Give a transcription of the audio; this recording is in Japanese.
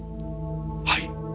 はい。